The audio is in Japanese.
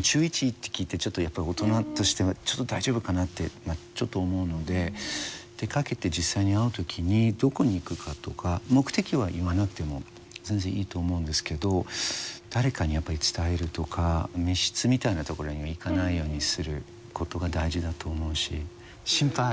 中１って聞いてやっぱり大人として大丈夫かなってちょっと思うので出かけて実際に会う時にどこに行くかとか目的は言わなくても全然いいと思うんですけど誰かにやっぱり伝えるとか密室みたいなところには行かないようにすることが大事だと思うし心配心配。